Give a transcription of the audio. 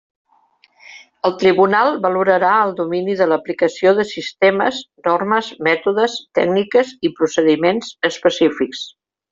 El tribunal valorarà el domini de l'aplicació de sistemes, normes, mètodes, tècniques i procediments específics.